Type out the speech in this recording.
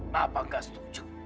bapak gak setuju